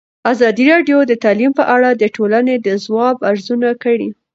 ازادي راډیو د تعلیم په اړه د ټولنې د ځواب ارزونه کړې.